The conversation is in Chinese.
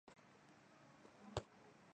天佑十一年五月完工。